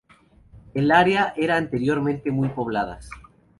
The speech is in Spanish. El área era anteriormente muy pobladas.